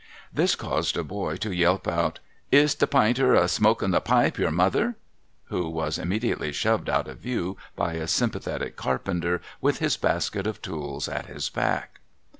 This caused a boy to yelp out, ' Is the Pinter a smoking the pipe your mother ?' who was immediately shoved out of view by a sympathetic carpenter with his basket of tools at his back.